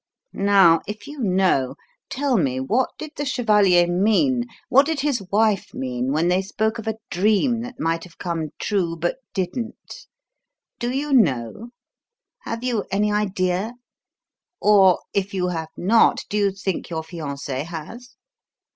Now, if you know, tell me what did the chevalier mean, what did his wife mean, when they spoke of a dream that might have come true, but didn't? Do you know? Have you any idea? Or, if you have not, do you think your fiancée has?"